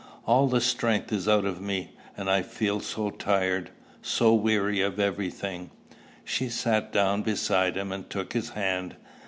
All the strength is out of me; and I feel so tired, so weary of every thing!" She sat down beside him, and took his hand.